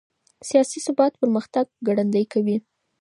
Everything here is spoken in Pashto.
سياسي ثبات پرمختګ ګړندی کوي.